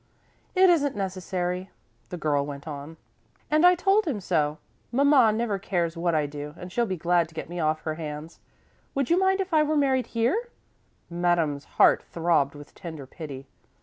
"It isn't necessary," the girl went on, "and I told him so. Mamma never cares what I do, and she'll be glad to get me off her hands. Would you mind if I were married here?" Madame's heart throbbed with tender pity.